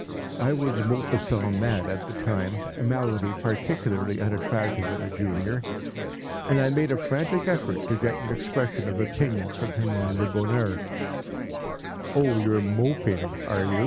I was Maupassant mad at the time, a malady particularly unattractive in a Junior, and I made a frantic effort to get an expression of opinion from him on “Le Bonheur.” “Oh, you’re Moping, are you?